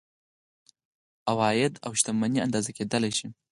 عواید او شتمني اندازه کیدلی شي.